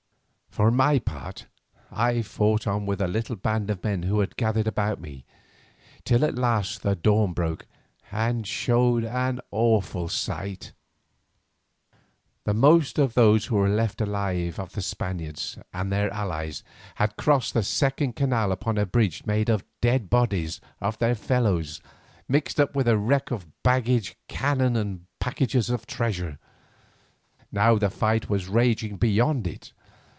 For my part I fought on with a little band of men who had gathered about me, till at last the dawn broke and showed an awful sight. The most of those who were left alive of the Spaniards and their allies had crossed the second canal upon a bridge made of the dead bodies of their fellows mixed up with a wreck of baggage, cannon, and packages of treasure. Now the fight was raging beyond it.